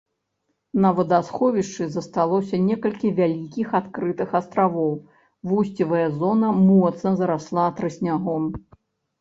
На вадасховішчы засталося некалькі вялікіх адкрытых астравоў, вусцевая зона моцна зарасла трыснягом.